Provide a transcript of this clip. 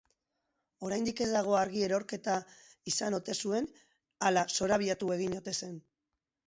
Oraindik ez dago argi erorketa izan ote zuen ala zorabiatu egin ote zen.